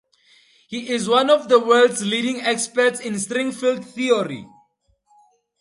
He is one of the world's leading experts in string field theory.